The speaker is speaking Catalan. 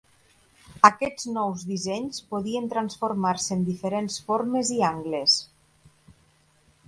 Aquests nous dissenys podien transformar-se en diferents formes i angles.